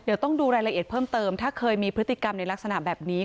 เดี๋ยวต้องดูรายละเอียดเพิ่มเติมถ้าเคยมีพฤติกรรมในลักษณะแบบนี้